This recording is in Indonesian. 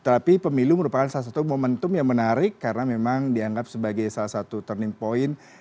tapi pemilu merupakan salah satu momentum yang menarik karena memang dianggap sebagai salah satu turning point